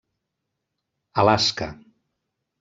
Alaska.